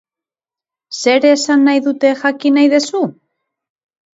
Zer esan nahi dute jakin nahi dezu?